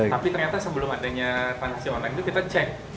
tapi ternyata sebelum adanya transaksi online itu kita cek